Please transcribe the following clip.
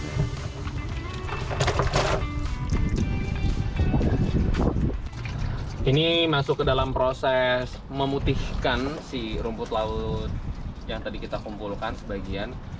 ini masuk ke dalam proses memutihkan si rumput laut yang tadi kita kumpulkan sebagian